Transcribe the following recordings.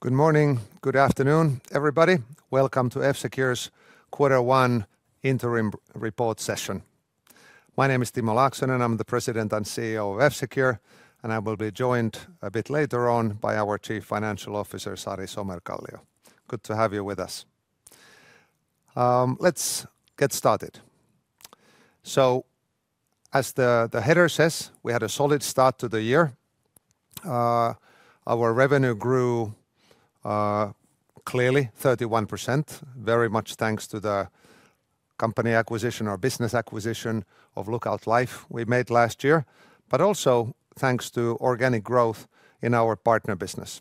Good morning. Good afternoon, everybody. Welcome to F-Secure's Quarter One Interim Report session. My name is Timo Laaksonen, and I'm the President and CEO of F-Secure, and I will be joined a bit later on by our Chief Financial Officer, Sari Somerkallio. Good to have you with us. Let's get started. As the header says, we had a solid start to the year. Our revenue grew clearly 31%, very much thanks to the company acquisition or business acquisition of Lookout Life we made last year, but also thanks to organic growth in our partner business.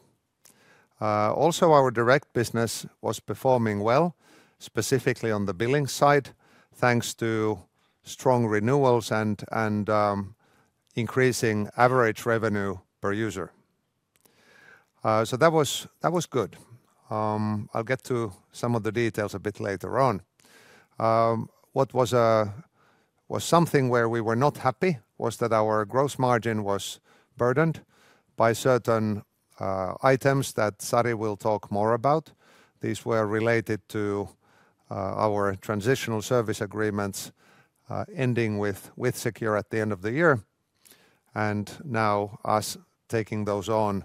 Also, our direct business was performing well, specifically on the billing side, thanks to strong renewals and increasing average revenue per user. So that was good. I'll get to some of the details a bit later on. What was something where we were not happy was that our gross margin was burdened by certain items that Sari will talk more about. These were related to our transitional service agreements ending with WithSecure at the end of the year, and now us taking those on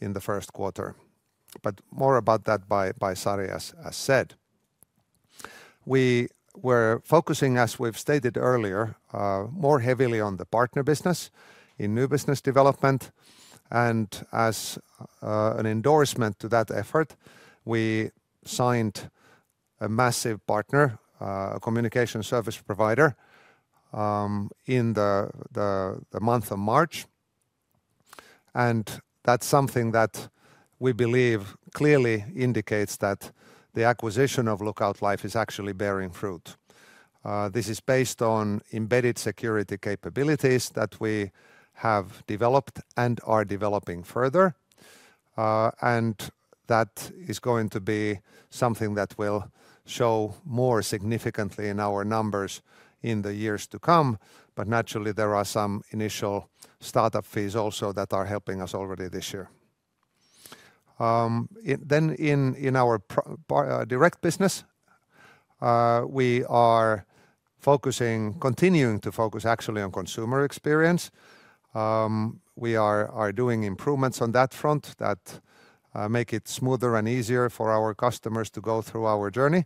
in the first quarter. But more about that by Sari, as said. We were focusing, as we've stated earlier, more heavily on the partner business in new business development, and as an endorsement to that effort, we signed a massive partner, a communication service provider, in the month of March, and that's something that we believe clearly indicates that the acquisition of Lookout Life is actually bearing fruit. This is based on embedded security capabilities that we have developed and are developing further, and that is going to be something that will show more significantly in our numbers in the years to come. But naturally, there are some initial startup fees also that are helping us already this year. Then in our partner direct business, we are continuing to focus actually on consumer experience. We are doing improvements on that front that make it smoother and easier for our customers to go through our journey,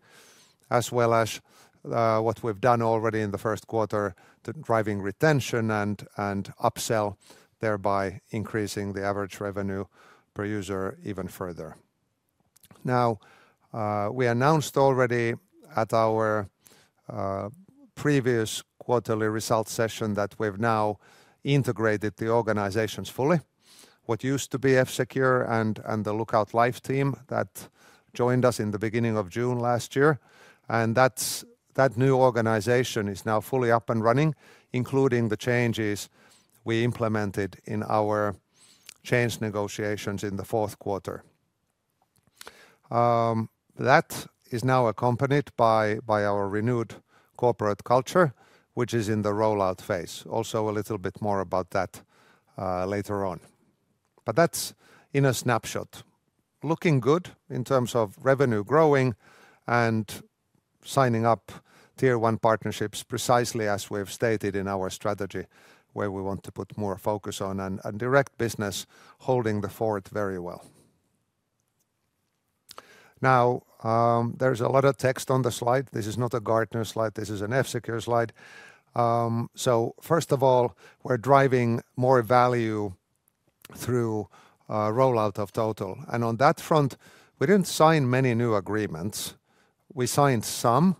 as well as what we've done already in the first quarter to driving retention and upsell, thereby increasing the average revenue per user even further. Now, we announced already at our previous quarterly results session that we've now integrated the organizations fully. What used to be F-Secure and the Lookout Life team that joined us in the beginning of June last year, and that new organization is now fully up and running, including the changes we implemented in our change negotiations in the fourth quarter. That is now accompanied by our renewed corporate culture, which is in the rollout phase. Also, a little bit more about that later on. But that's in a snapshot, looking good in terms of revenue growing and signing up Tier 1 partnerships, precisely as we have stated in our strategy, where we want to put more focus on, and direct business holding the fort very well. Now, there's a lot of text on the slide. This is not a Gartner slide. This is an F-Secure slide. So first of all, we're driving more value through a rollout of Total. On that front, we didn't sign many new agreements. We signed some,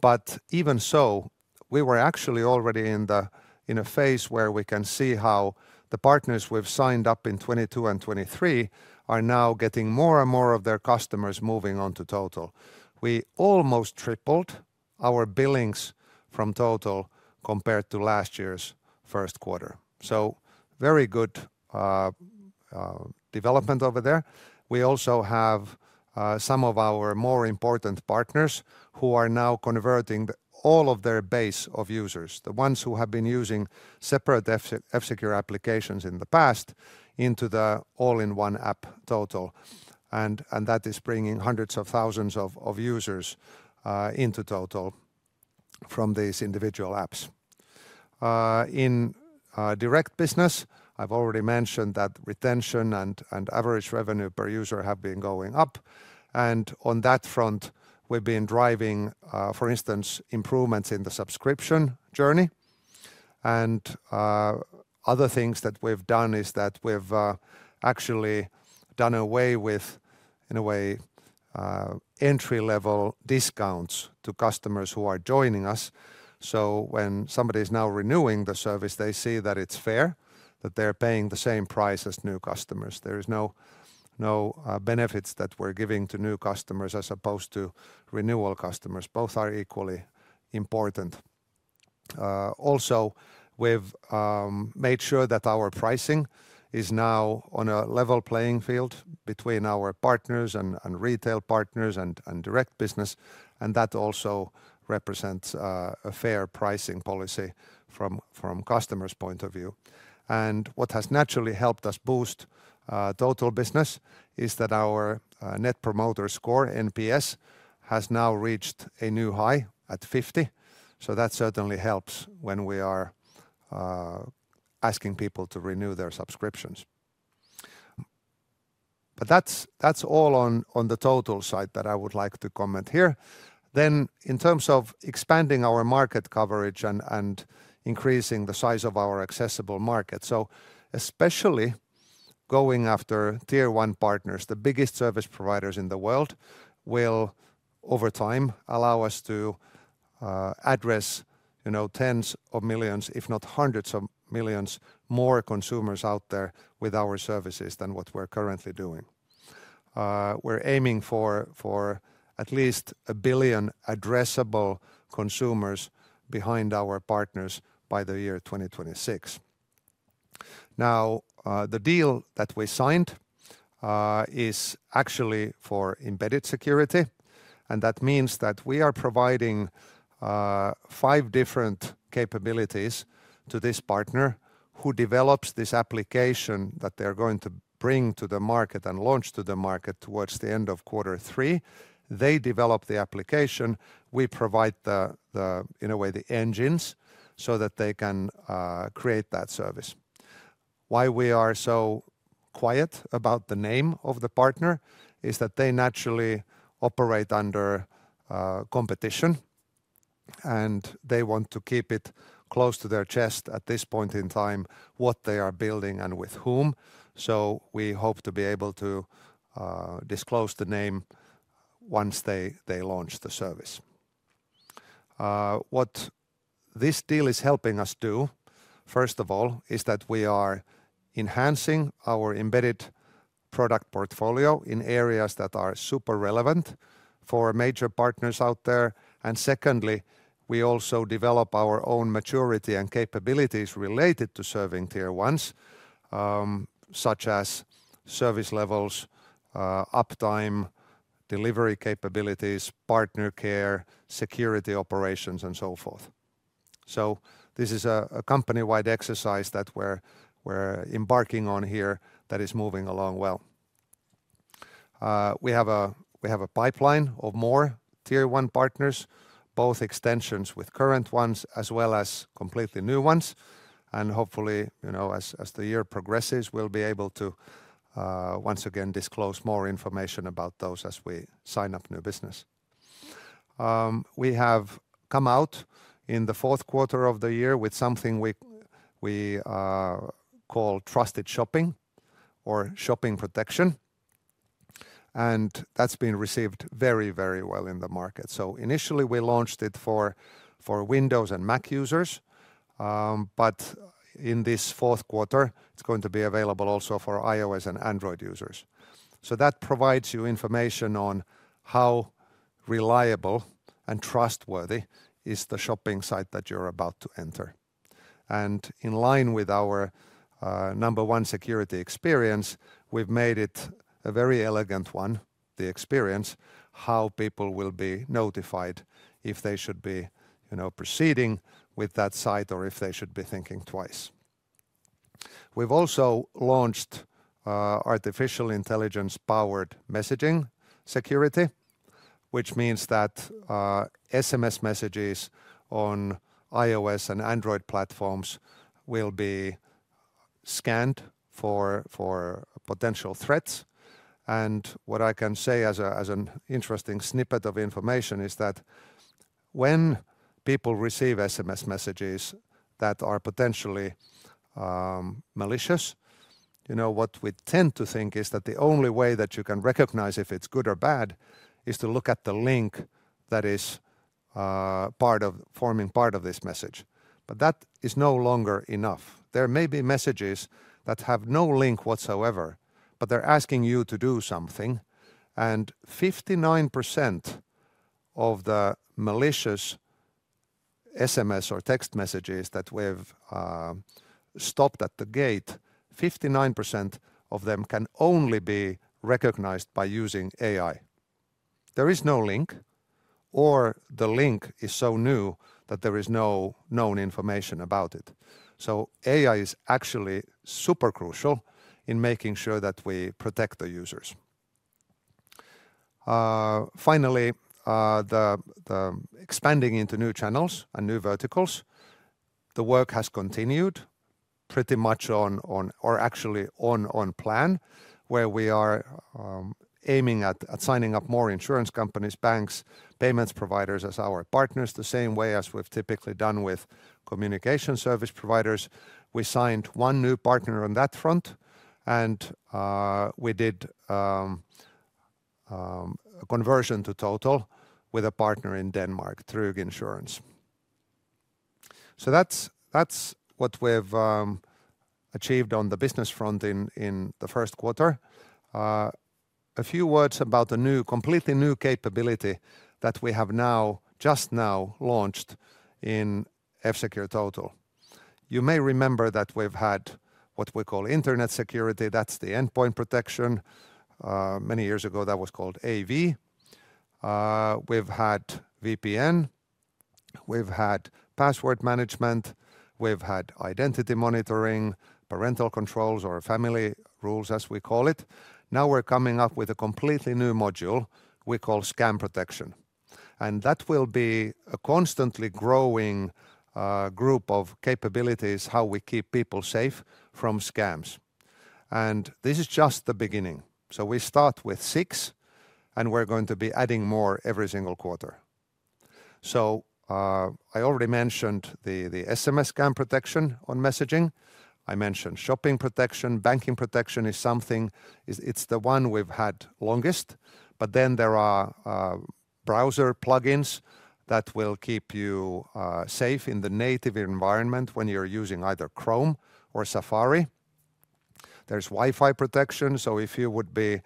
but even so, we were actually already in a phase where we can see how the partners we've signed up in 2022 and 2023 are now getting more and more of their customers moving on to Total. We almost tripled our billings from Total compared to last year's first quarter. So very good development over there. We also have some of our more important partners who are now converting all of their base of users, the ones who have been using separate F-Secure applications in the past, into the all-in-one app Total, and that is bringing hundreds of thousands of users into Total from these individual apps. In direct business, I've already mentioned that retention and average revenue per user have been going up, and on that front, we've been driving, for instance, improvements in the subscription journey. Other things that we've done is that we've actually done away with, in a way, entry-level discounts to customers who are joining us. So when somebody is now renewing the service, they see that it's fair, that they're paying the same price as new customers. There is no benefits that we're giving to new customers as opposed to renewal customers. Both are equally important.... Also, we've made sure that our pricing is now on a level playing field between our partners and retail partners, and direct business, and that also represents a fair pricing policy from customers' point of view. What has naturally helped us boost Total business is that our Net Promoter Score, NPS, has now reached a new high at 50. So that certainly helps when we are asking people to renew their subscriptions. But that's all on the Total side that I would like to comment here. Then, in terms of expanding our market coverage and increasing the size of our accessible market, so especially going after Tier 1 partners, the biggest service providers in the world, will, over time, allow us to address, you know, tens of millions, if not hundreds of millions, more consumers out there with our services than what we're currently doing. We're aiming for at least 1 billion addressable consumers behind our partners by the year 2026. Now, the deal that we signed is actually for embedded security, and that means that we are providing five different capabilities to this partner who develops this application that they're going to bring to the market and launch to the market towards the end of quarter three. They develop the application, we provide the engines, so that they can create that service. Why we are so quiet about the name of the partner is that they naturally operate under competition, and they want to keep it close to their chest at this point in time, what they are building and with whom. So we hope to be able to disclose the name once they launch the service. What this deal is helping us do, first of all, is that we are enhancing our embedded product portfolio in areas that are super relevant for major partners out there. And secondly, we also develop our own maturity and capabilities related to serving Tier 1s, such as service levels, uptime, delivery capabilities, partner care, security operations, and so forth. So this is a company-wide exercise that we're embarking on here that is moving along well. We have a pipeline of more Tier 1 partners, both extensions with current ones as well as completely new ones, and hopefully, you know, as the year progresses, we'll be able to once again disclose more information about those as we sign up new business. We have come out in the fourth quarter of the year with something we call Trusted Shopping or Shopping Protection, and that's been received very, very well in the market. So initially, we launched it for Windows and Mac users, but in this fourth quarter, it's going to be available also for iOS and Android users. So that provides you information on how reliable and trustworthy is the shopping site that you're about to enter. And in line with our number one security experience, we've made it a very elegant one, the experience, how people will be notified if they should be, you know, proceeding with that site or if they should be thinking twice. We've also launched artificial intelligence-powered messaging security, which means that SMS messages on iOS and Android platforms will be scanned for potential threats. What I can say as an interesting snippet of information is that when people receive SMS messages that are potentially malicious, you know, what we tend to think is that the only way that you can recognize if it's good or bad is to look at the link that is forming part of this message, but that is no longer enough. There may be messages that have no link whatsoever, but they're asking you to do something, and 59% of the malicious SMS or text messages that we've stopped at the gate, 59% of them can only be recognized by using AI. There is no link, or the link is so new that there is no known information about it. So AI is actually super crucial in making sure that we protect the users. Finally, the expanding into new channels and new verticals, the work has continued pretty much on, or actually on plan, where we are aiming at signing up more insurance companies, banks, payments providers as our partners, the same way as we've typically done with communication service providers. We signed one new partner on that front, and we did conversion to Total with a partner in Denmark through insurance. So that's what we've achieved on the business front in the first quarter. A few words about the new, completely new capability that we have now, just now launched in F-Secure Total. You may remember that we've had what we call Internet Security, that's the endpoint protection. Many years ago, that was called AV. We've had VPN, we've had password management, we've had identity monitoring, parental controls or Family Rules, as we call it. Now we're coming up with a completely new module we call Scam Protection, and that will be a constantly growing group of capabilities, how we keep people safe from scams. This is just the beginning. We start with six, and we're going to be adding more every single quarter. I already mentioned the SMS Scam Protection on messaging. I mentioned Shopping Protection. Banking Protection is something, it's the one we've had longest, but then there are browser plugins that will keep you safe in the native environment when you're using either Chrome or Safari. There's Wi-Fi Protection, so if you would be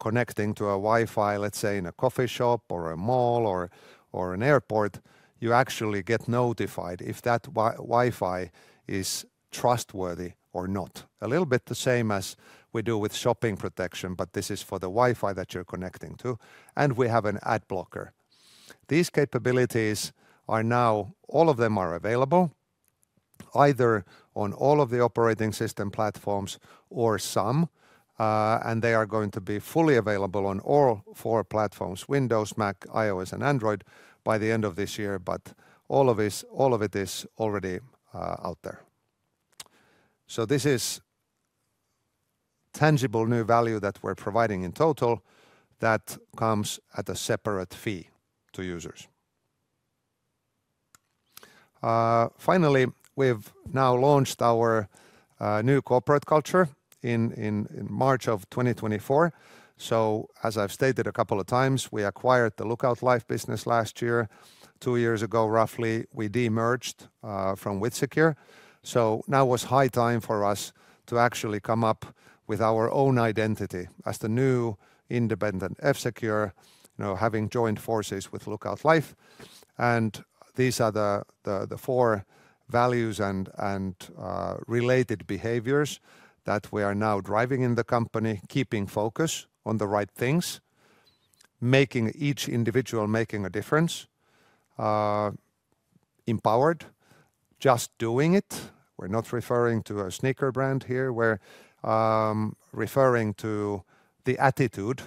connecting to a Wi-Fi, let's say, in a coffee shop or a mall or an airport, you actually get notified if that Wi-Fi is trustworthy or not. A little bit the same as we do with Shopping Protection, but this is for the Wi-Fi that you're connecting to, and we have an Ad Blocker. These capabilities are now all of them available, either on all of the operating system platforms or some, and they are going to be fully available on all four platforms, Windows, Mac, iOS, and Android, by the end of this year, but all of this, all of it is already out there. So this is tangible new value that we're providing in Total that comes at a separate fee to users. Finally, we've now launched our new corporate culture in March of 2024. So as I've stated a couple of times, we acquired the Lookout Life business last year. Two years ago, roughly, we de-merged from WithSecure. So now it's high time for us to actually come up with our own identity as the new independent F-Secure, you know, having joined forces with Lookout Life. And these are the four values and related behaviors that we are now driving in the company: keeping focus on the right things, making each individual making a difference, empowered, just doing it. We're not referring to a sneaker brand here. We're referring to the attitude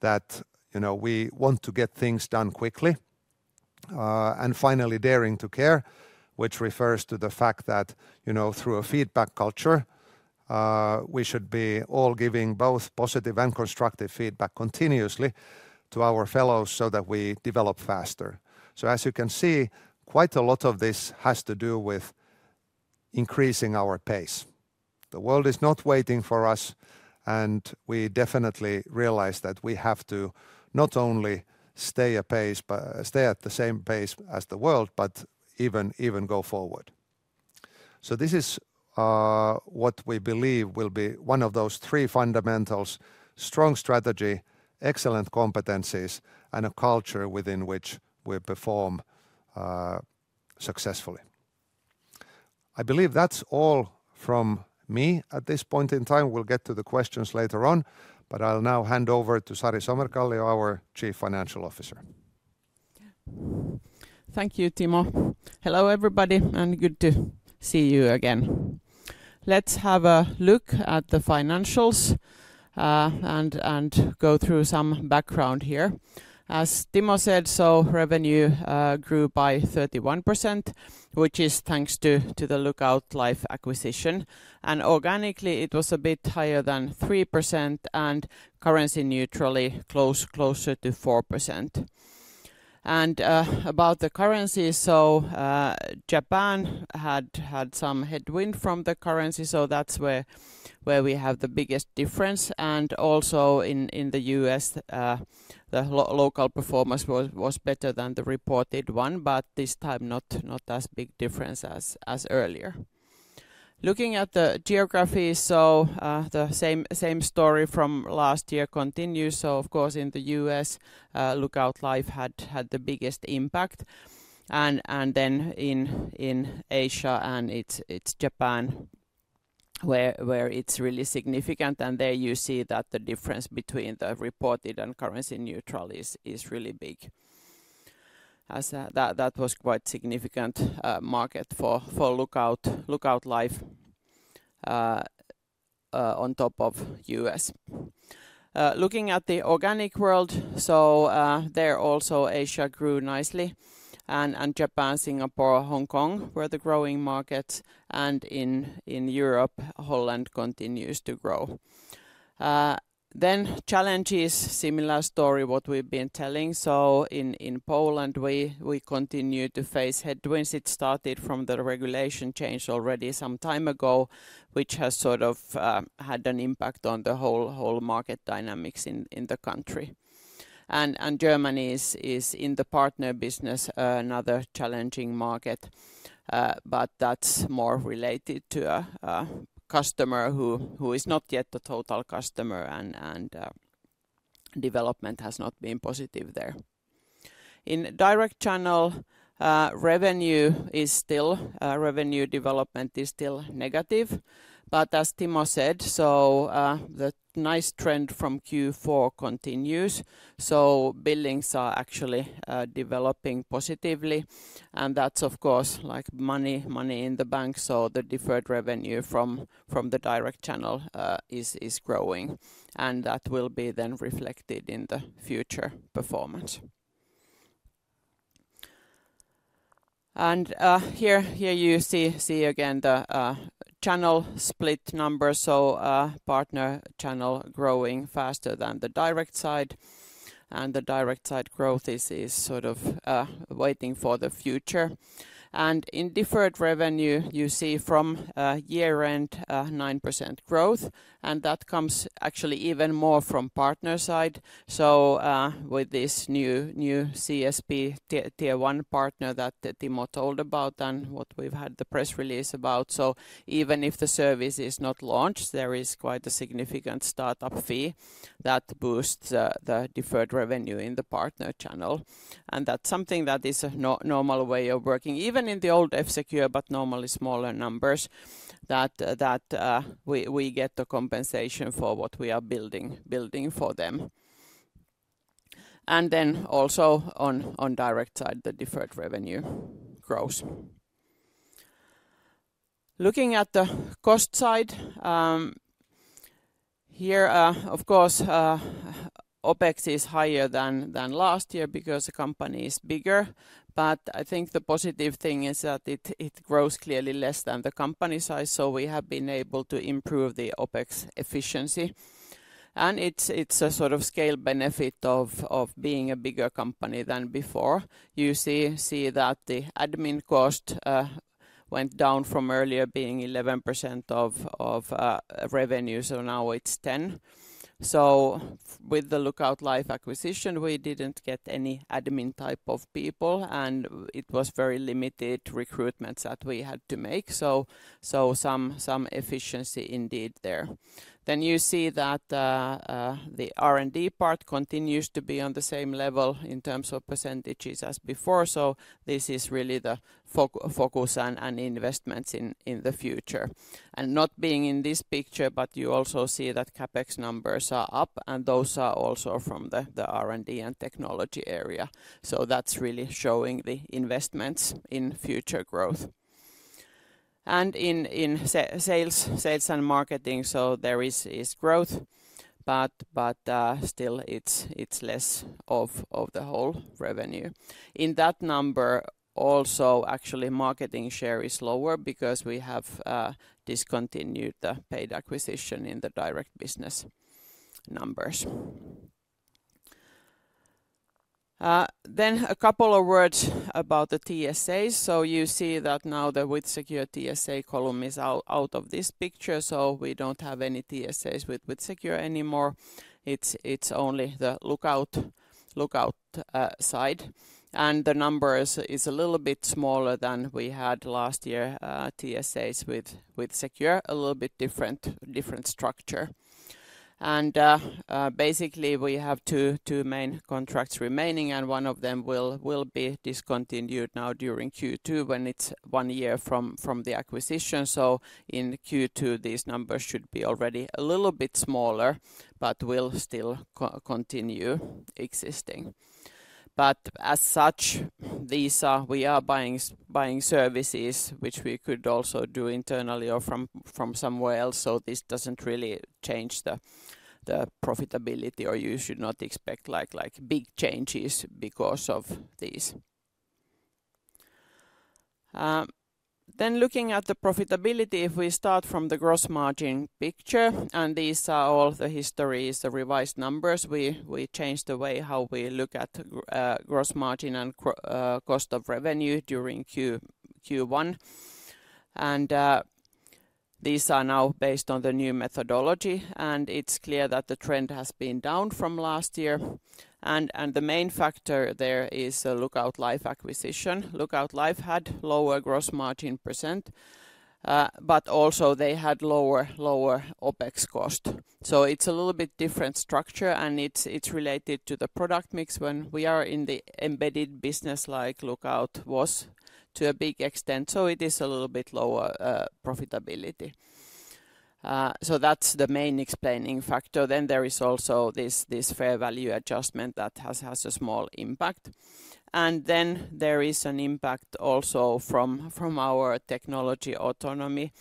that, you know, we want to get things done quickly. And finally, daring to care, which refers to the fact that, you know, through a feedback culture, we should be all giving both positive and constructive feedback continuously to our fellows so that we develop faster. So as you can see, quite a lot of this has to do with increasing our pace. The world is not waiting for us, and we definitely realize that we have to not only stay apace, but stay at the same pace as the world, but even, even go forward. So this is, what we believe will be one of those three fundamentals: strong strategy, excellent competencies, and a culture within which we perform, successfully. I believe that's all from me at this point in time. We'll get to the questions later on, but I'll now hand over to Sari Somerkallio, our Chief Financial Officer. Thank you, Timo. Hello, everybody, and good to see you again. Let's have a look at the financials and go through some background here. As Timo said, revenue grew by 31%, which is thanks to the Lookout Life acquisition, and organically it was a bit higher than 3%, and currency neutrally, closer to 4%. About the currency, Japan had some headwind from the currency, so that's where we have the biggest difference. Also in the US, the local performance was better than the reported one, but this time not as big difference as earlier. Looking at the geography, the same story from last year continues. So of course, in the U.S., Lookout Life had the biggest impact, and then in Asia, and it's Japan where it's really significant. And there you see that the difference between the reported and currency neutral is really big. As that was quite significant market for Lookout Life on top of U.S. Looking at the organic world, so there also Asia grew nicely, and Japan, Singapore, Hong Kong were the growing markets, and in Europe, Holland continues to grow. Then challenges, similar story, what we've been telling. So in Poland, we continue to face headwinds. It started from the regulation change already some time ago, which has sort of had an impact on the whole market dynamics in the country. And Germany is in the partner business another challenging market, but that's more related to a customer who is not yet a Total customer and development has not been positive there. In direct channel, revenue is still revenue development is still negative, but as Timo said, so the nice trend from Q4 continues. So billings are actually developing positively, and that's of course, like money in the bank, so the deferred revenue from the direct channel is growing, and that will be then reflected in the future performance. And here you see again the channel split number, so partner channel growing faster than the direct side, and the direct side growth is sort of waiting for the future. In deferred revenue, you see from year-end 9% growth, and that comes actually even more from partner side. So, with this new CSP Tier 1 partner that Timo told about and what we've had the press release about, so even if the service is not launched, there is quite a significant startup fee that boosts the deferred revenue in the partner channel. And that's something that is a normal way of working, even in the old F-Secure, but normally smaller numbers, that we get the compensation for what we are building for them. And then also on direct side, the deferred revenue grows. Looking at the cost side, here, of course, OpEx is higher than last year because the company is bigger. But I think the positive thing is that it grows clearly less than the company size, so we have been able to improve the OpEx efficiency. And it's a sort of scale benefit of being a bigger company than before. You see that the admin cost went down from earlier being 11% of revenue, so now it's 10%. So with the Lookout Life acquisition, we didn't get any admin type of people, and it was very limited recruitments that we had to make, so some efficiency indeed there. Then you see that the R&D part continues to be on the same level in terms of percentages as before, so this is really the focus and investments in the future. Not being in this picture, but you also see that CapEx numbers are up, and those are also from the R&D and technology area. So that's really showing the investments in future growth. In sales and marketing, so there is growth, but still it's less of the whole revenue. In that number, also, actually, marketing share is lower because we have discontinued the paid acquisition in the direct business numbers. Then a couple of words about the TSAs. So you see that now the WithSecure TSA column is out of this picture, so we don't have any TSAs with WithSecure anymore. It's only the Lookout side. And the numbers is a little bit smaller than we had last year, TSAs with WithSecure, a little bit different structure. Basically, we have two main contracts remaining, and one of them will be discontinued now during Q2 when it's one year from the acquisition. So in Q2, these numbers should be already a little bit smaller, but will still continue existing. But as such, these are... We are buying services, which we could also do internally or from somewhere else, so this doesn't really change the profitability, or you should not expect like big changes because of these. Then looking at the profitability, if we start from the gross margin picture, and these are all the histories, the revised numbers, we changed the way how we look at gross margin and cost of revenue during Q1. These are now based on the new methodology, and it's clear that the trend has been down from last year. The main factor there is a Lookout Life acquisition. Lookout Life had lower gross margin %, but also they had lower OpEx cost. So it's a little bit different structure, and it's related to the product mix when we are in the embedded business like Lookout was to a big extent, so it is a little bit lower profitability. So that's the main explaining factor. Then there is also this fair value adjustment that has a small impact. Then there is an impact also from our technology autonomy.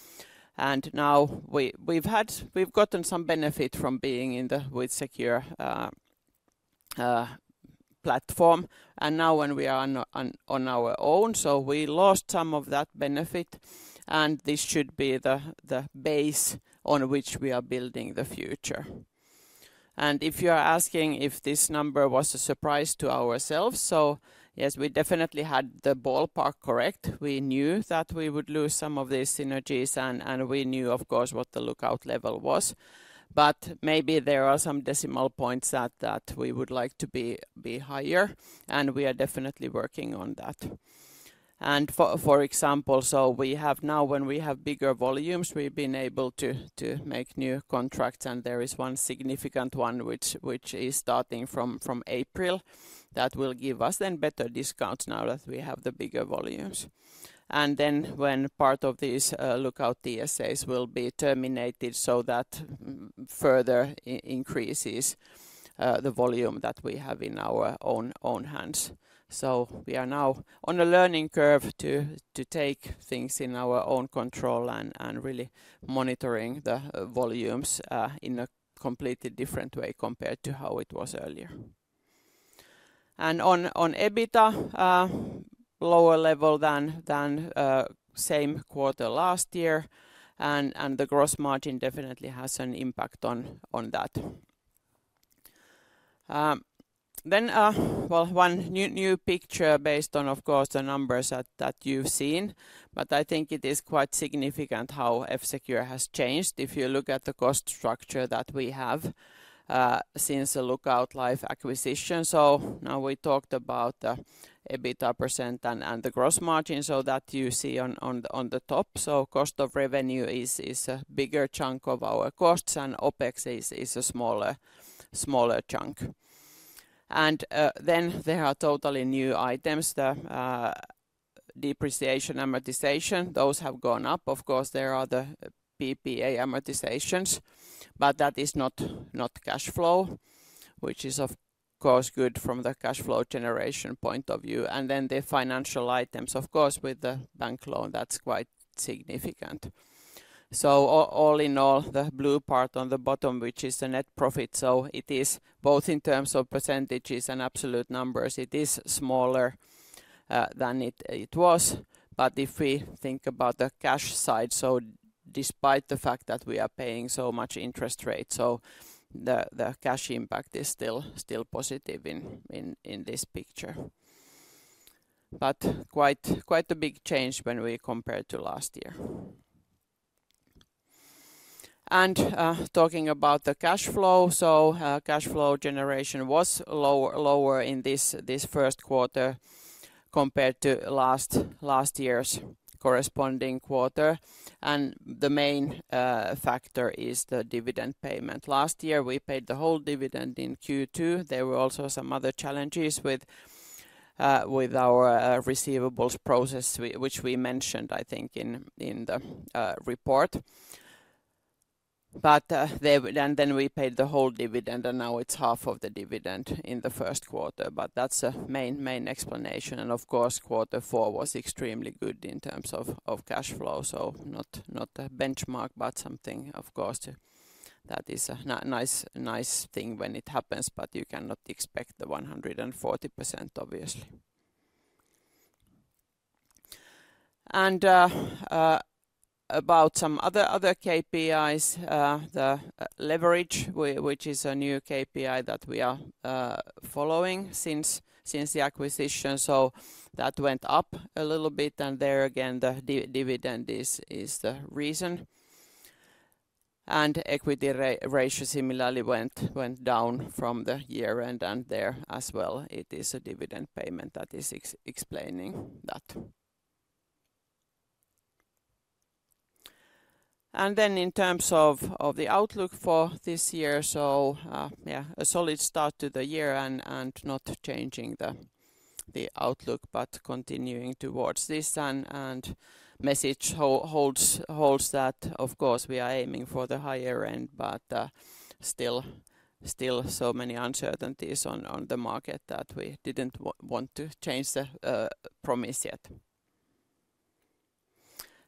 And now we've gotten some benefit from being in the WithSecure platform, and now when we are on our own, so we lost some of that benefit, and this should be the base on which we are building the future. If you are asking if this number was a surprise to ourselves, so yes, we definitely had the ballpark correct. We knew that we would lose some of the synergies, and we knew, of course, what the Lookout level was. But maybe there are some decimal points that we would like to be higher, and we are definitely working on that. For example, so we have now, when we have bigger volumes, we've been able to make new contracts, and there is one significant one which is starting from April that will give us then better discounts now that we have the bigger volumes. Then when part of these Lookout TSAs will be terminated, so that further increases the volume that we have in our own hands. So we are now on a learning curve to take things in our own control and really monitoring the volumes in a completely different way compared to how it was earlier. On EBITDA, lower level than same quarter last year, and the gross margin definitely has an impact on that. Well, one new picture based on, of course, the numbers that you've seen, but I think it is quite significant how F-Secure has changed. If you look at the cost structure that we have since the Lookout Life acquisition. So now we talked about EBITDA percent and the gross margin, so that you see on the top. So cost of revenue is a bigger chunk of our costs, and OpEx is a smaller chunk. And then there are totally new items, the depreciation, amortization, those have gone up. Of course, there are the PPA amortizations, but that is not cash flow, which is, of course, good from the cash flow generation point of view. And then the financial items, of course, with the bank loan, that's quite significant. So all in all, the blue part on the bottom, which is the net profit, so it is both in terms of percentages and absolute numbers, it is smaller than it was. But if we think about the cash side, so despite the fact that we are paying so much interest rate, so the cash impact is still positive in this picture. But quite a big change when we compare to last year. And talking about the cash flow, so cash flow generation was lower in this first quarter compared to last year's corresponding quarter, and the main factor is the dividend payment. Last year, we paid the whole dividend in Q2. There were also some other challenges with our receivables process, which we mentioned, I think, in the report. But, and then we paid the whole dividend, and now it's half of the dividend in the first quarter. But that's a main, main explanation, and of course, quarter four was extremely good in terms of cash flow, so not a benchmark, but something, of course, that is a nice, nice thing when it happens, but you cannot expect the 140%, obviously. And, about some other KPIs, the leverage, which is a new KPI that we are following since the acquisition. So that went up a little bit, and there again, the dividend is the reason. And equity ratio similarly went down from the year-end, and there as well, it is a dividend payment that is explaining that. And then in terms of the outlook for this year, so, yeah, a solid start to the year and not changing the outlook, but continuing towards this. And message holds that, of course, we are aiming for the higher end, but still so many uncertainties on the market that we didn't want to change the promise yet.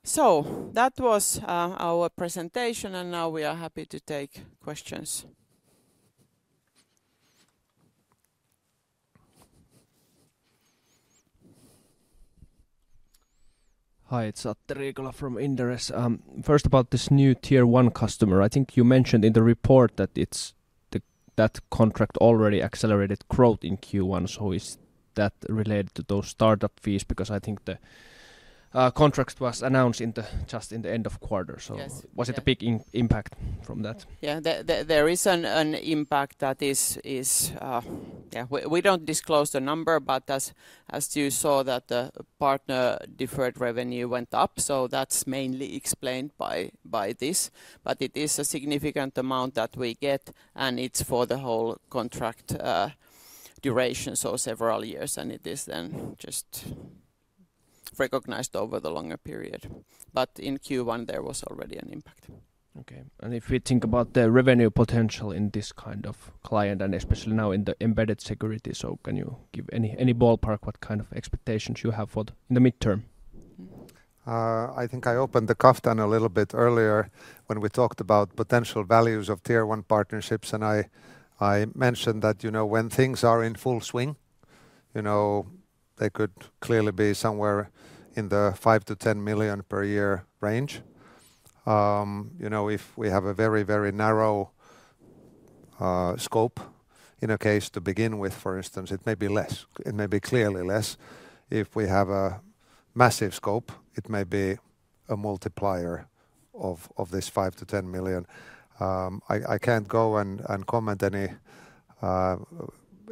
So that was our presentation, and now we are happy to take questions. Hi, it's Atte Riikola from Inderes. First, about this new Tier 1 customer, I think you mentioned in the report that it's... that contract already accelerated growth in Q1, so is that related to those startup fees? Because I think the contract was announced just in the end of quarter. So was it a big impact from that? Yeah. There is an impact that is, yeah, we don't disclose the number, but as you saw, that the partner deferred revenue went up, so that's mainly explained by this. But it is a significant amount that we get, and it's for the whole contract duration, so several years, and it is then just recognized over the longer period. But in Q1, there was already an impact. Okay. And if we think about the revenue potential in this kind of client and especially now in the embedded security, so can you give any, any ballpark, what kind of expectations you have for the in the midterm? I think I opened the kimono a little bit earlier when we talked about potential values of Tier 1 partnerships, and I mentioned that, you know, when things are in full swing, you know, they could clearly be somewhere in the 5 million-10 million per year range. You know, if we have a very, very narrow scope in a case to begin with, for instance, it may be less. It may be clearly less. If we have a massive scope, it may be a multiplier of this 5 million-10 million. I can't go and comment on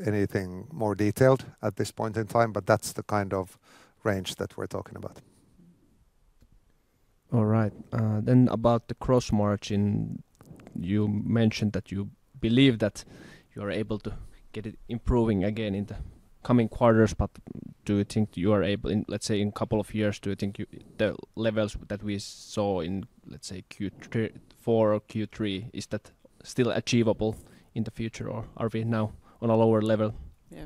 anything more detailed at this point in time, but that's the kind of range that we're talking about. All right. Then about the gross margin, you mentioned that you believe that you're able to get it improving again in the coming quarters, but do you think you are able in, let's say, in couple of years, do you think you—the levels that we saw in, let's say, Q4 or Q3, is that still achievable in the future, or are we now on a lower level? Yeah.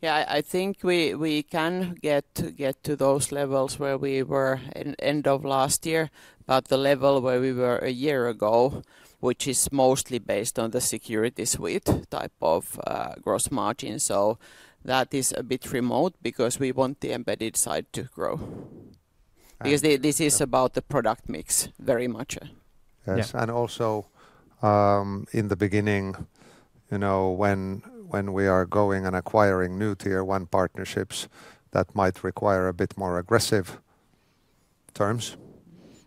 Yeah, I think we can get to those levels where we were in end of last year, but the level where we were a year ago, which is mostly based on the security suite type of gross margin. So that is a bit remote because we want the embedded side to grow. Because this is about the product mix, very much. Yeah. And also, in the beginning, you know, when we are going and acquiring new Tier 1 partnerships, that might require a bit more aggressive terms.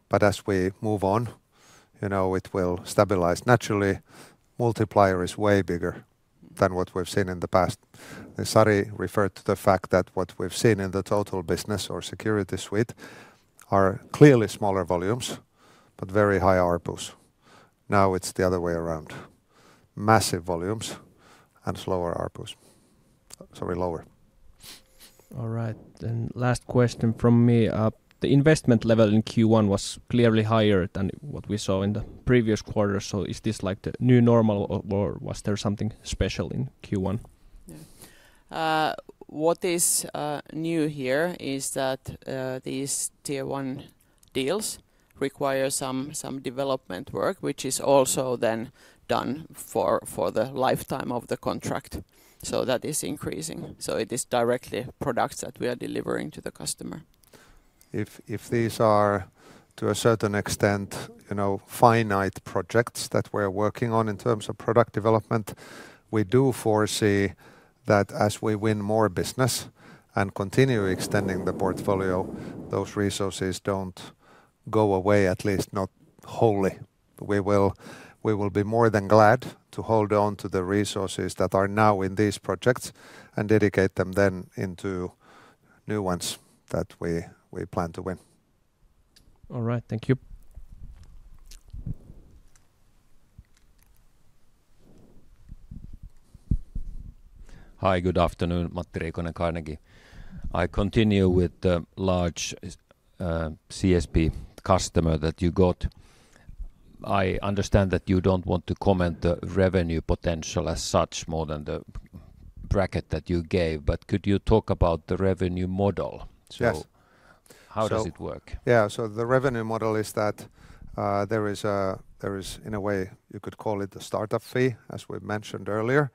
But as we move on, you know, it will stabilize. Naturally, multiplier is way bigger than what we've seen in the past. And Sari referred to the fact that what we've seen in the Total business or security suite are clearly smaller volumes, but very high ARPUs. Now, it's the other way around: massive volumes and slower ARPUs. Sorry, lower. All right, then last question from me. The investment level in Q1 was clearly higher than what we saw in the previous quarter. So is this like the new normal or, or was there something special in Q1? Yeah. What is new here is that these Tier 1 deals require some development work, which is also then done for the lifetime of the contract, so that is increasing. So it is directly products that we are delivering to the customer. If these are, to a certain extent, you know, finite projects that we're working on in terms of product development, we do foresee that as we win more business and continue extending the portfolio, those resources don't go away, at least not wholly. We will be more than glad to hold on to the resources that are now in these projects and dedicate them then into new ones that we plan to win. All right. Thank you. Hi, good afternoon. Matti Riikonen, Carnegie. I continue with the large CSP customer that you got. I understand that you don't want to comment the revenue potential as such, more than the bracket that you gave, but could you talk about the revenue model? Yes. So how does it work? Yeah, so the revenue model is that, there is a, there is in a way, you could call it a startup fee, as we've mentioned earlier,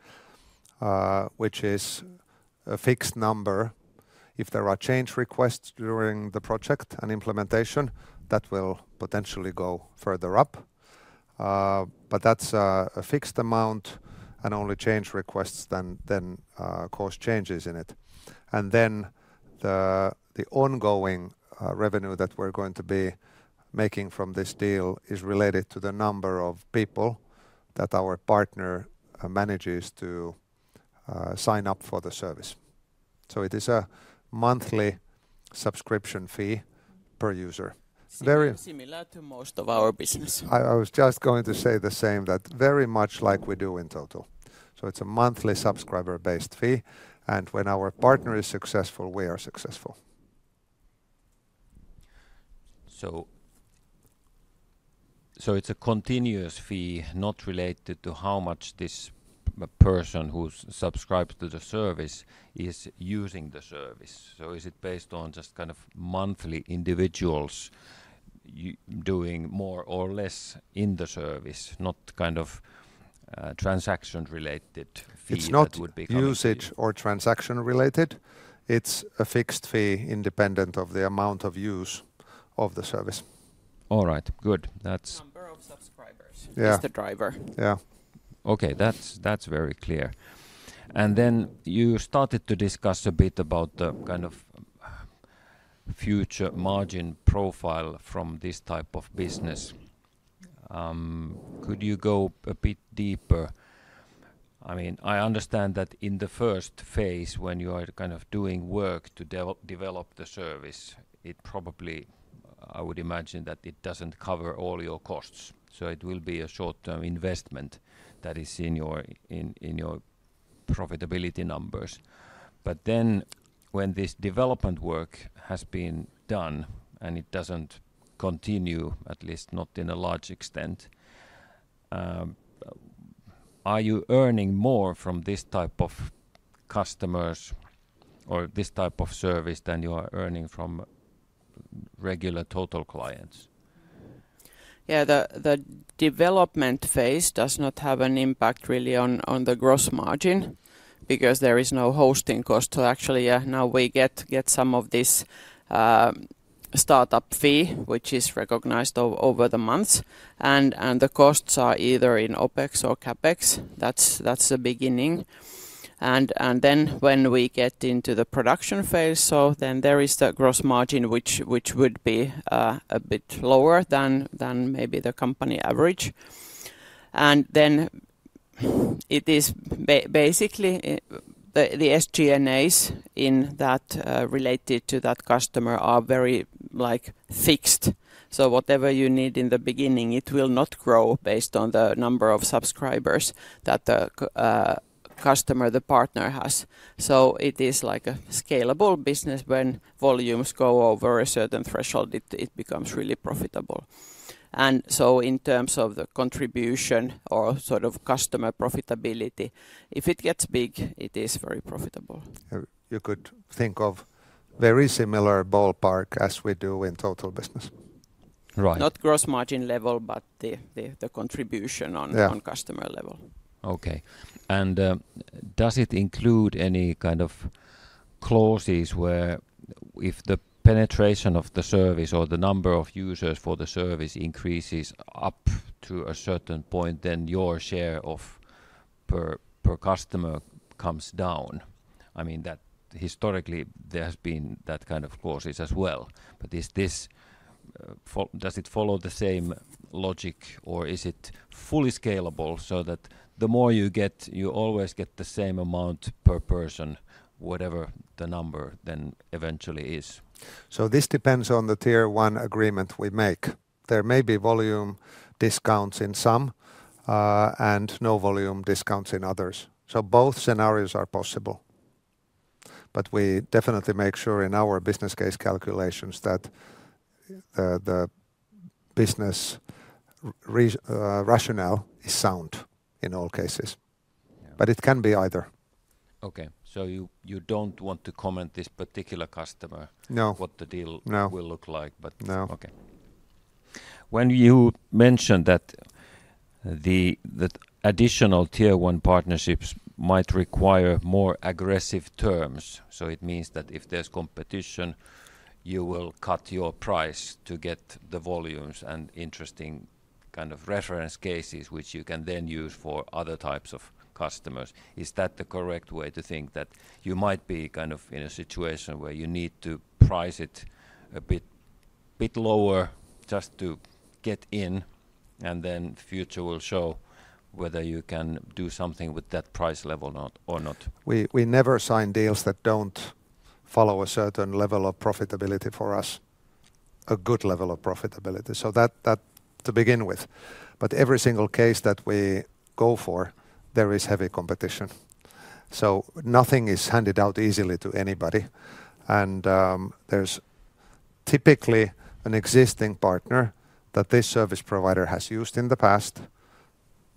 which is a fixed number. If there are change requests during the project and implementation, that will potentially go further up. But that's a fixed amount and only change requests then cause changes in it. And then the ongoing revenue that we're going to be making from this deal is related to the number of people that our partner manages to sign up for the service. So it is a monthly subscription fee per user. Similar to most of our business. I was just going to say the same, that very much like we do in Total. So it's a monthly subscriber-based fee, and when our partner is successful, we are successful. So, it's a continuous fee, not related to how much this person who's subscribed to the service is using the service. So is it based on just kind of monthly individuals doing more or less in the service, not kind of transaction-related fee that would be collected? It's not usage or transaction-related. It's a fixed fee, independent of the amount of use of the service. All right. Good. Number of subscribers is the driver. Okay, that's, that's very clear. And then you started to discuss a bit about the kind of future margin profile from this type of business. Could you go a bit deeper? I mean, I understand that in the first phase, when you are kind of doing work to develop the service, it probably I would imagine that it doesn't cover all your costs, so it will be a short-term investment that is in your profitability numbers. But then, when this development work has been done and it doesn't continue, at least not in a large extent, are you earning more from this type of customers or this type of service than you are earning from regular Total clients? Yeah, the development phase does not have an impact really on the gross margin because there is no hosting cost. So actually, yeah, now we get some of this startup fee, which is recognized over the months, and the costs are either in OpEx or CapEx. That's the beginning and then when we get into the production phase, so then there is the gross margin which would be a bit lower than maybe the company average. And then, it is basically the SG&A related to that customer are very like fixed. So whatever you need in the beginning, it will not grow based on the number of subscribers that the customer, the partner has. So it is like a scalable business when volumes go over a certain threshold, it becomes really profitable. And so in terms of the contribution or sort of customer profitability, if it gets big, it is very profitable. You could think of very similar ballpark as we do in Total business. Right. Not gross margin level, but the contribution on customer level. Okay. And, does it include any kind of clauses where if the penetration of the service or the number of users for the service increases up to a certain point, then your share per customer comes down? I mean, that historically there has been that kind of clauses as well, but is this, does it follow the same logic, or is it fully scalable so that the more you get, you always get the same amount per person, whatever the number then eventually is? So this depends on the Tier 1 agreement we make. There may be volume discounts in some, and no volume discounts in others, so both scenarios are possible. But we definitely make sure in our business case calculations that, the business rationale is sound in all cases. Yeah. But it can be either. Okay. So you don't want to comment this particular customer? No. What the deal? No. Will look like? No. Okay. When you mentioned that the additional Tier 1 partnerships might require more aggressive terms, so it means that if there's competition, you will cut your price to get the volumes and interesting kind of reference cases, which you can then use for other types of customers. Is that the correct way to think, that you might be kind of in a situation where you need to price it a bit lower just to get in, and then future will show whether you can do something with that price level or not, or not? We never sign deals that don't follow a certain level of profitability for us, a good level of profitability. So that to begin with, but every single case that we go for, there is heavy competition. So nothing is handed out easily to anybody, and there's typically an existing partner that this service provider has used in the past,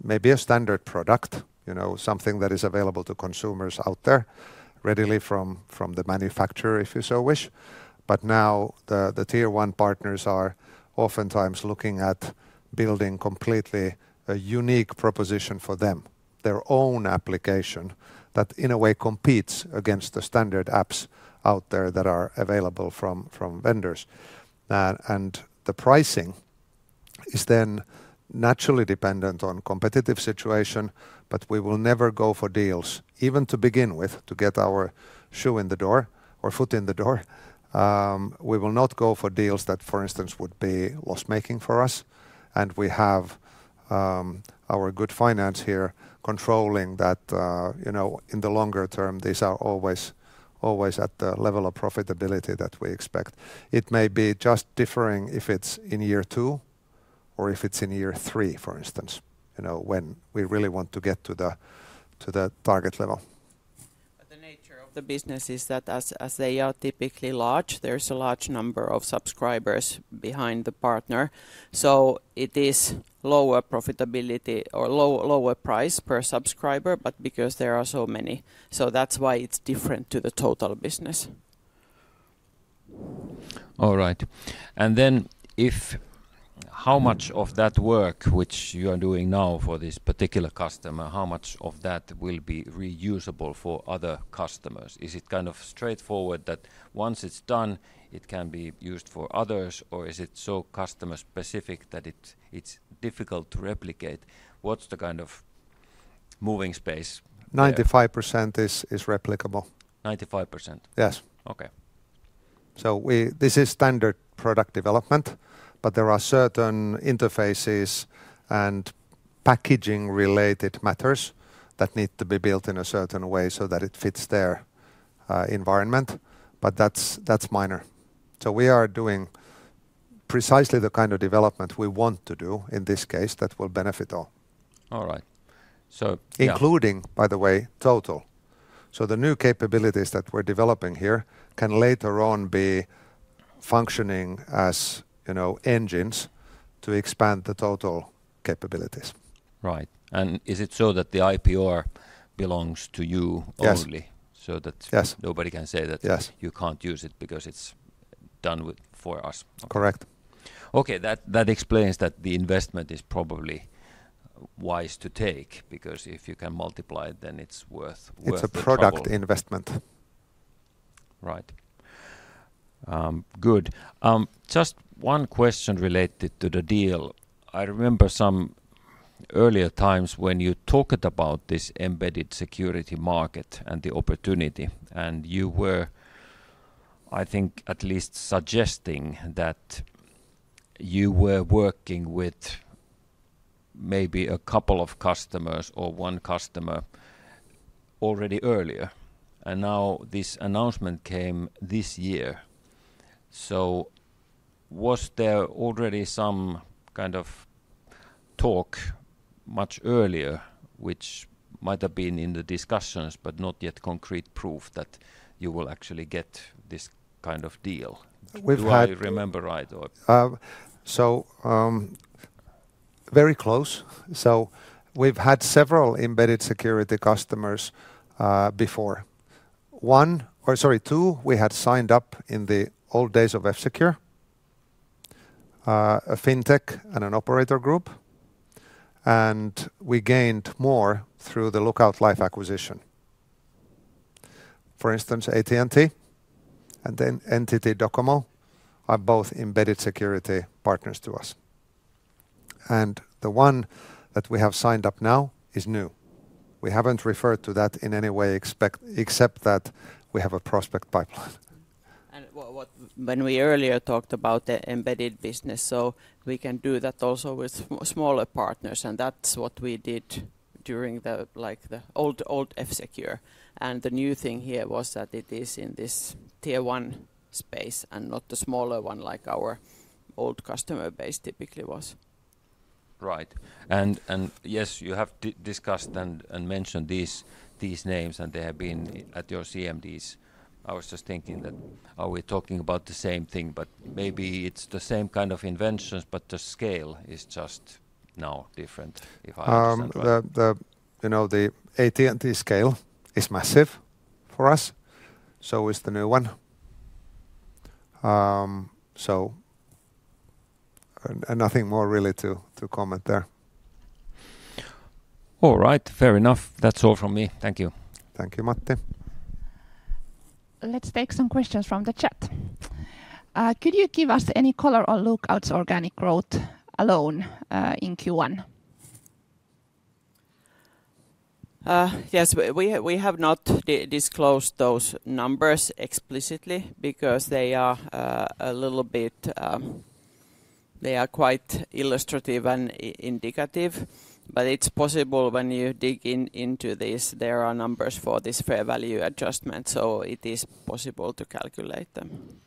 maybe a standard product, you know, something that is available to consumers out there readily from the manufacturer, if you so wish. But now, the Tier 1 partners are oftentimes looking at building completely a unique proposition for them, their own application that, in a way, competes against the standard apps out there that are available from vendors. The pricing is then naturally dependent on competitive situation, but we will never go for deals, even to begin with, to get our shoe in the door or foot in the door. We will not go for deals that, for instance, would be loss-making for us, and we have our good finance here controlling that, you know, in the longer term, these are always, always at the level of profitability that we expect. It may be just differing if it's in year two or if it's in year three, for instance, you know, when we really want to get to the target level. The nature of the business is that as they are typically large, there's a large number of subscribers behind the partner, so it is lower profitability or lower price per subscriber, but because there are so many, so that's why it's different to the Total business. All right. And then how much of that work, which you are doing now for this particular customer, how much of that will be reusable for other customers? Is it kind of straightforward that once it's done, it can be used for others, or is it so customer specific that it's, it's difficult to replicate? What's the kind of moving space there? 95% is replicable. 95%? Yes. Okay. This is standard product development, but there are certain interfaces and packaging related matters that need to be built in a certain way so that it fits their environment, but that's, that's minor. So we are doing precisely the kind of development we want to do in this case that will benefit all. All right. So, yeah. Including, by the way, Total. So the new capabilities that we're developing here can later on be functioning as, you know, engines to expand the Total capabilities. Right. And is it so that the IPR belongs to you only? Yes. So that nobody can say that. Yes You can't use it because it's done with, for us. Correct. Okay, that explains that the investment is probably wise to take, because if you can multiply it, then it's worth the trouble. It's a product investment. Right. Good. Just one question related to the deal. I remember some earlier times when you talked about this embedded security market and the opportunity, and you were, I think, at least suggesting that you were working with maybe a couple of customers or one customer already earlier, and now this announcement came this year. So was there already some kind of talk much earlier, which might have been in the discussions, but not yet concrete proof that you will actually get this kind of deal? We've had- Do I remember right or? Very close. So we've had several embedded security customers before. One, or sorry, two, we had signed up in the old days of F-Secure, a fintech and an operator group, and we gained more through the Lookout Life acquisition. For instance, AT&T and then NTT Docomo are both embedded security partners to us, and the one that we have signed up now is new. We haven't referred to that in any way, except that we have a prospect pipeline. Well, when we earlier talked about the embedded business, so we can do that also with smaller partners, and that's what we did during the, like, the old, old F-Secure. And the new thing here was that it is in this Tier 1 space, and not the smaller one, like our old customer base typically was. Right. And yes, you have discussed and mentioned these names, and they have been at your CMDs. I was just thinking that, are we talking about the same thing? But maybe it's the same kind of inventions, but the scale is just now different, if I understand right. You know, the AT&T scale is massive for us, so is the new one. So, and nothing more really to comment there. All right. Fair enough. That's all from me. Thank you. Thank you, Matti. Let's take some questions from the chat. Could you give us any color on Lookout's organic growth alone, in Q1? Yes, we have not disclosed those numbers explicitly because they are a little bit. They are quite illustrative and indicative, but it's possible when you dig into this, there are numbers for this fair value adjustment, so it is possible to calculate them,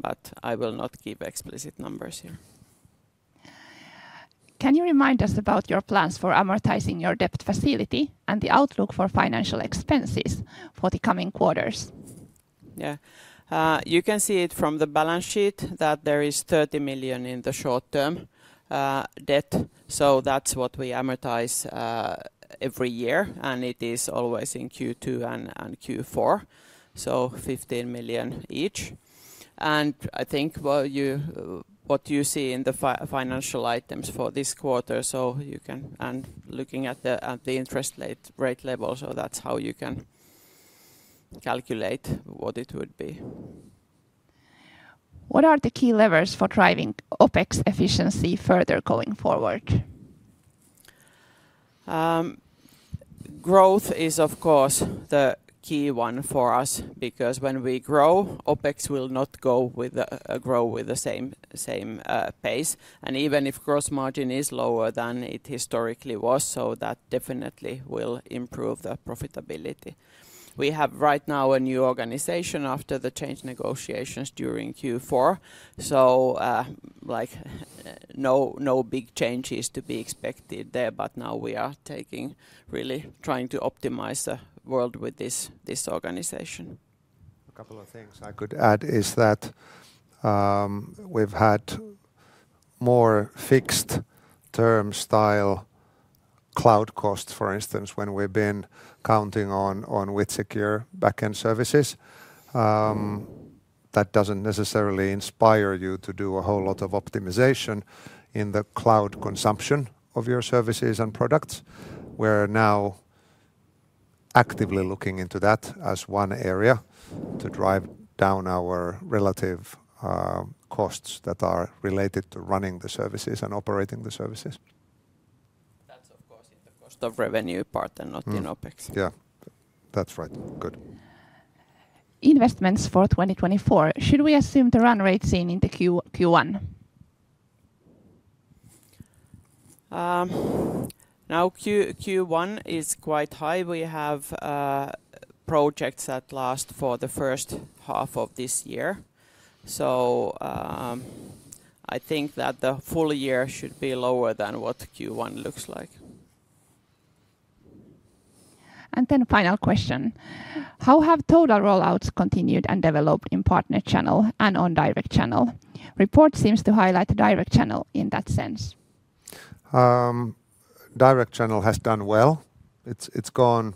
but I will not give explicit numbers here. Can you remind us about your plans for amortizing your debt facility and the outlook for financial expenses for the coming quarters? Yeah. You can see it from the balance sheet that there is 30 million in the short-term debt, so that's what we amortize every year, and it is always in Q2 and Q4, so 15 million each. And I think what you see in the financial items for this quarter, so you can, and looking at the interest rate level, so that's how you can calculate what it would be. What are the key levers for driving OpEx efficiency further going forward? Growth is, of course, the key one for us because when we grow, OpEx will not grow with the same pace, and even if gross margin is lower than it historically was, so that definitely will improve the profitability. We have right now a new organization after the change negotiations during Q4, so, like, no big changes to be expected there, but now we are taking, really trying to optimize the work with this organization. A couple of things I could add is that, we've had more fixed term style cloud costs, for instance, when we've been counting on, on WithSecure backend services. That doesn't necessarily inspire you to do a whole lot of optimization in the cloud consumption of your services and products. We're now actively looking into that as one area to drive down our relative, costs that are related to running the services and operating the services. That's of course, in the cost of revenue part and not in OpEx. Yeah. That's right. Good. Investments for 2024, should we assume the run rate seen in the Q1? Now Q1 is quite high. We have projects that last for the first half of this year. So, I think that the full year should be lower than what Q1 looks like. And then final question: How have Total rollouts continued and developed in partner channel and on direct channel? Report seems to highlight the direct channel in that sense. Direct channel has done well. It's, it's gone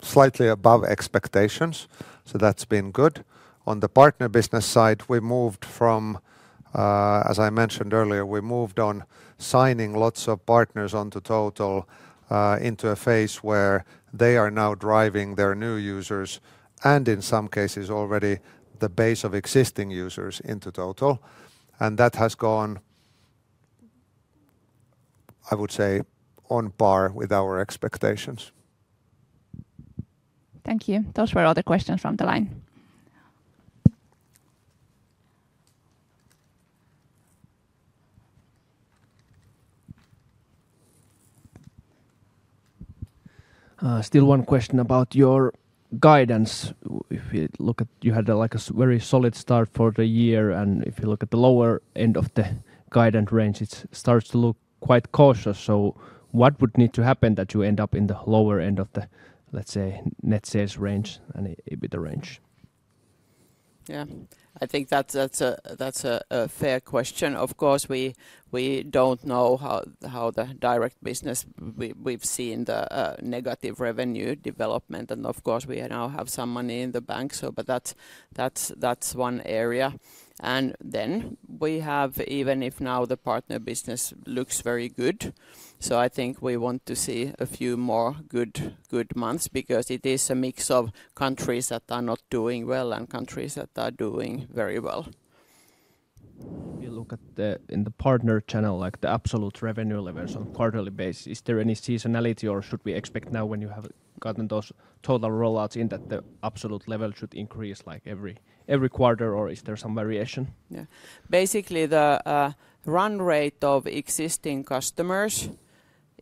slightly above expectations, so that's been good. On the partner business side, we moved from, as I mentioned earlier, we moved on signing lots of partners onto Total into a phase where they are now driving their new users, and in some cases already the base of existing users into Total. That has gone, I would say, on par with our expectations. Thank you. Those were all the questions from the line. Still one question about your guidance. If you look at, you had, like, a very solid start for the year, and if you look at the lower end of the guidance range, it starts to look quite cautious. So what would need to happen that you end up in the lower end of the, let's say, net sales range and EBITDA range? Yeah. I think that's a fair question. Of course, we don't know how the direct business we've seen the negative revenue development, and of course, we now have some money in the bank, so but that's one area. And then we have, even if now the partner business looks very good, so I think we want to see a few more good months because it is a mix of countries that are not doing well and countries that are doing very well. If you look at the, in the partner channel, like, the absolute revenue levels on quarterly basis, is there any seasonality or should we expect now when you have gotten those Total rollouts in that the absolute level should increase, like, every, every quarter or is there some variation? Yeah. Basically, the run rate of existing customers,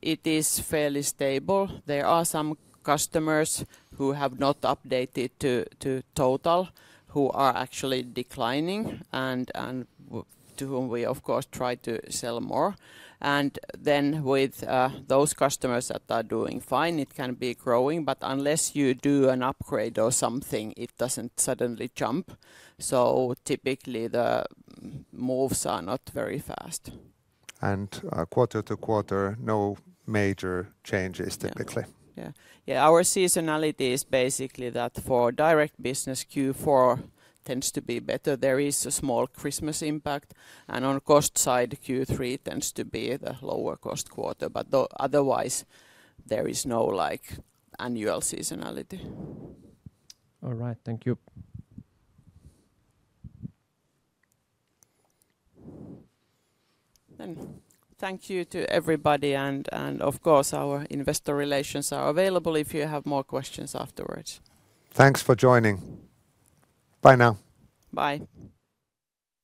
it is fairly stable. There are some customers who have not updated to Total, who are actually declining and to whom we, of course, try to sell more. And then with those customers that are doing fine, it can be growing, but unless you do an upgrade or something, it doesn't suddenly jump. So typically, the moves are not very fast. Quarter to quarter, no major changes typically. Yeah. Yeah, our seasonality is basically that for direct business, Q4 tends to be better. There is a small Christmas impact, and on cost side, Q3 tends to be the lower cost quarter, but the, otherwise, there is no, like, annual seasonality. All right. Thank you. Thank you to everybody, and of course, our investor relations are available if you have more questions afterwards. Thanks for joining. Bye now. Bye.